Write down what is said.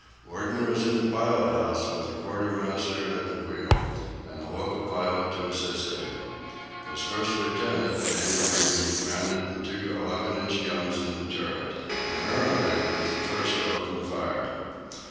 Worden was in the pilot house with a quartermaster at the wheel, and a local pilot to assist him. His first lieutenant, Dana Greene, commanded the two 11 inch guns in the turret. The "Merrimac" was the first to open fire.